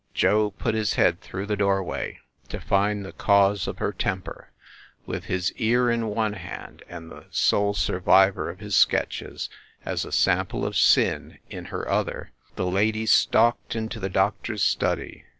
Joe put his head through the doorway to find the cause of her tem per. With his ear in one hand, and the sole survivor of his sketches (as a sample of sin) in her other, the lady stalked into the doctor s study.